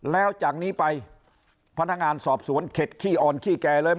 แล้วจากนี้ไปพนักงานสอบสวนเข็ดขี้อ่อนขี้แก่เลย